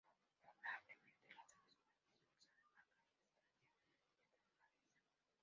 Probablemente las aves puedan dispersar a gran distancia esta maleza.